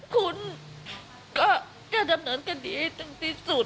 คุณก็การทำนั้นก็ดีจนที่สุด